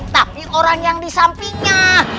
tapi orang yang disampingnya